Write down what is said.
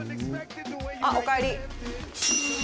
「あっおかえり」